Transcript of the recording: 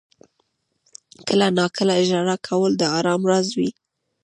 • کله ناکله ژړا کول د آرام راز وي.